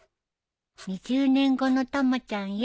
［「２０年後のたまちゃんへ」］